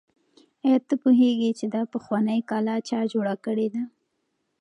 آیا ته پوهېږې چې دا پخوانۍ کلا چا جوړه کړې ده؟